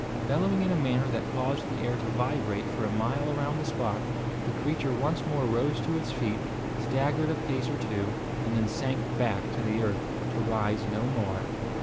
Bellowing in a manner that caused the air to vibrate for a mile around the spot, the creature once more rose to its feet, staggered a pace or two, and then sank back to the earth, to rise no more.